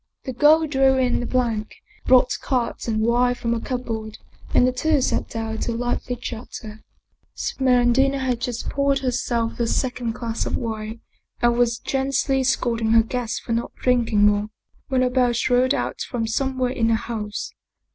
The girl drew in the plank, brought cards and wine from a cupboard, and the two sat down to lively chatter. Smeraldina had just poured herself the second glass of wine and was gently scolding her guest for not drinking more, when a bell shrilled out from somewhere in the house.